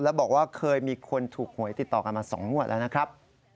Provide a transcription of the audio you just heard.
แล้วบอกว่าเคยมีคนถูกหวยติดต่อกันมา๒งวดแล้วนะครับ